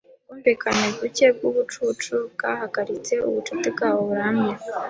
Ubwumvikane buke bwubucucu bwahagaritse ubucuti bwabo burambye.